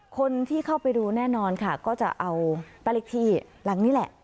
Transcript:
คนที่เข้าไปดูแน่นอนค่ะก็จะเอาปฤติหลังนี้แหละ